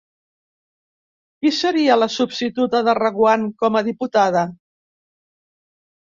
Qui seria la substituta de Reguant com a diputada?